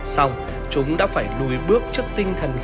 sau chúng đã phải lùi bước trước tinh thần găng